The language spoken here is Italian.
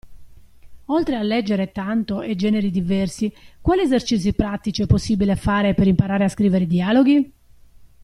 Oltre a leggere tanto e generi diversi, quali esercizi pratici è possibile fare per imparare a scrivere dialoghi?